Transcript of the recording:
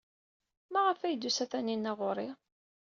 Maɣef ay d-tusa Taninna ɣer-i?